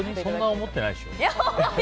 そんな思ってないでしょ。